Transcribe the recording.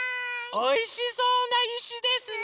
おいしそうないしですね。